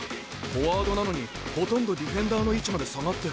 フォワードなのにほとんどディフェンダーの位置まで下がって。